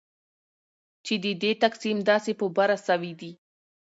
چې ددې تقسیم داسي په بره سویدي